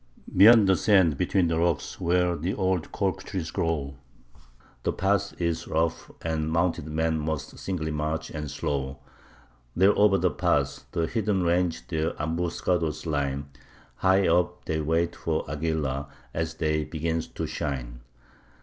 Beyond the sands, between the rocks, where the old cork trees grow, The path is rough, and mounted men must singly march and slow; There o'er the path the heathen range their ambuscado's line, High up they wait for Aguilar, as the day begins to shine.